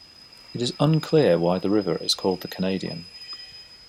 It is unclear why the river is called the Canadian.